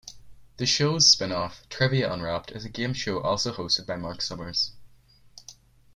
The show's spin-off, "Trivia Unwrapped", is a game show also hosted by Marc Summers.